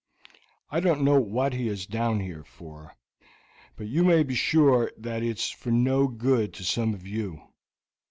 I don't know what he is down here for, but you may be sure that it's for no good to some of you.